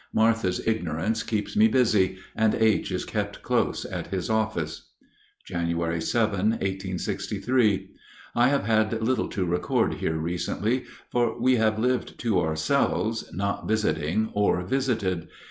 Martha's ignorance keeps me busy, and H. is kept close at his office. January 7, 1863. I have had little to record here recently, for we have lived to ourselves, not visiting or visited.